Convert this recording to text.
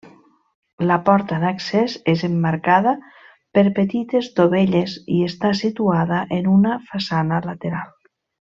La porta d'accés és emmarcada per petites dovelles i està situada en una façana lateral.